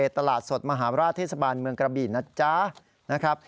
ตลาดสดมหาราชเทศบาลเมืองกระบี่นะจ๊ะนะครับ